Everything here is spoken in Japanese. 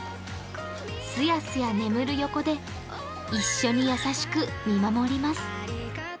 すやすや眠る横で一緒に優しく見守ります。